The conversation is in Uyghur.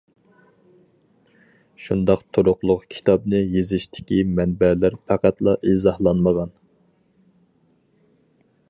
شۇنداق تۇرۇقلۇق كىتابنى يېزىشتىكى مەنبەلەر پەقەتلا ئىزاھلانمىغان.